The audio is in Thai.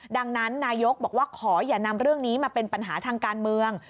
ดังนั้นนายกบอกว่าขออย่านำเรื่องนี้มาเป็นปัญหาทางการเมือง